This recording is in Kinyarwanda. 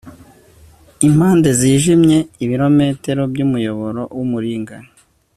impande zijimye, ibirometero byumuyoboro wumuringa